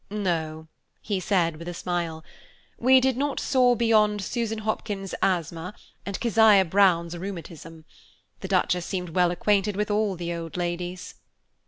"No," he said, with a smile; "we did not soar beyond Susan Hopkins's asthma, and Keziah Brown's rheumatism. The Duchess seemed well acquainted with all the old ladies."